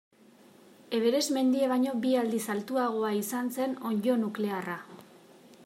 Everest mendia baino bi aldiz altuagoa izan zen onddo nuklearra.